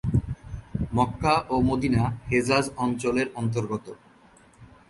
মক্কা ও Medina Hejaz অঞ্চলের অন্তর্গত।